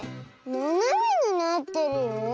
ななめになってるよ。